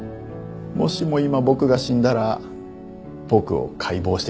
もしも今僕が死んだら僕を解剖してください。